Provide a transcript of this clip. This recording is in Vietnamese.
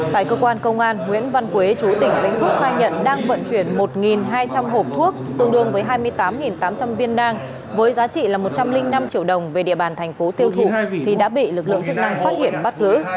tại cơ quan công an nguyễn văn quế chú tỉnh vĩnh phúc khai nhận đang vận chuyển một hai trăm linh hộp thuốc tương đương với hai mươi tám tám trăm linh viên nang với giá trị là một trăm linh năm triệu đồng về địa bàn thành phố tiêu thụ thì đã bị lực lượng chức năng phát hiện bắt giữ